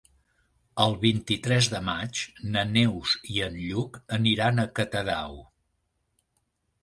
El vint-i-tres de maig na Neus i en Lluc aniran a Catadau.